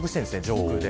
上空で。